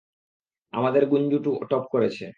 আমাদের গুঞ্জু টপ করেছে!